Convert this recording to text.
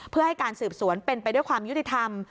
เพื่อให้การสืบสวนเป็นไปด้วยความยุติธรรม